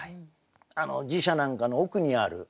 寺社なんかの奥にある。